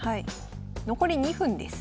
残り２分です。